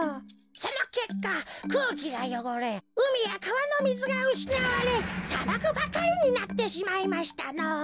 そのけっかくうきがよごれうみやかわのみずがうしなわれさばくばかりになってしまいましたのぉ。